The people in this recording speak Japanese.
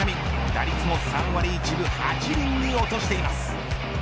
打率も３割１分８厘に落としています。